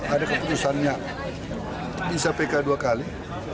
ada keputusannya bisa pk dua kali